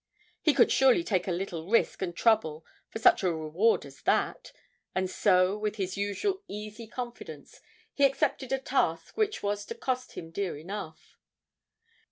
He could surely take a little risk and trouble for such a reward as that; and so, with his usual easy confidence, he accepted a task which was to cost him dear enough.